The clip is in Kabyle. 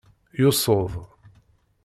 Yusu-d.